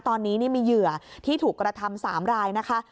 ตอนนี้มีเหยื่อที่ถูกกระทำ๓รายนะคะ